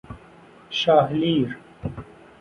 شاه لیر